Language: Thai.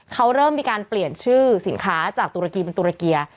เขาเริ่มมีการเปลี่ยนชื่อสินค้าจากตุรกีเป็นตุรเกีย